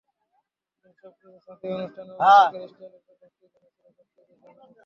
কিন্তু সবকিছু ছাপিয়ে অনুষ্ঠানে অভিষেকের স্টাইলিশ পোশাকটি যেন ছিল সবচেয়ে বেশি আলোচিত।